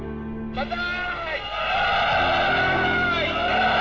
万歳！